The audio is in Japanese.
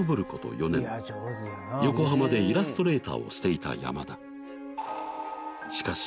４年横浜でイラストレーターをしていた山田しかし